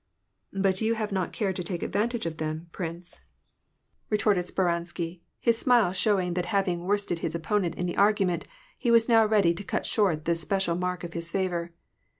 " But you have not cared to take advantage of them, prince," WAR AND PEACE. 171 letorted Speransky, his smile showing that hairing worsted his opponent in the argument, he was now ready to cut short this special mark of his favor.